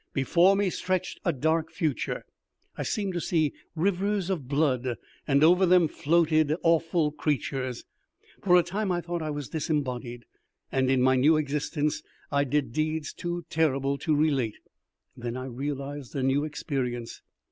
Before me stretched a dark future. I seemed to see rivers of blood, and over them floated awful creatures. For a time I thought I was disembodied, and in my new existence I did deeds too terrible to relate. Then I realized a new experience.